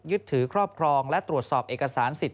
ยึดถือครอบครองและตรวจสอบเอกสารสิทธิ